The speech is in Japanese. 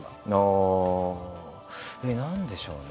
何でしょうね